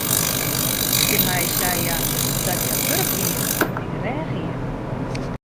Tsjin my sei hja dat hja wurch wie en it yn de rêch hie.